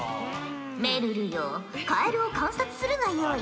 めるるよカエルを観察するがよい。